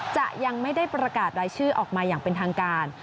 จะยังไม่ได้ประกาศรายชื่อออกมาอย่างเป็นทางการ